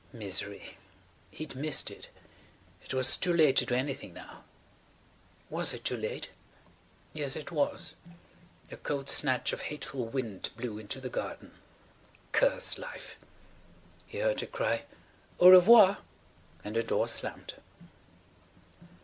Misery! He'd missed it. It was too late to do anything now. Was it too late? Yes, it was. A cold snatch of hateful wind blew into the garden. [Page 154] Curse life! He heard her cry "au revoir" and the door slammed.